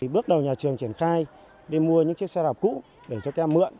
bước đầu nhà trường triển khai đi mua những chiếc xe đạp cũ để cho các em mượn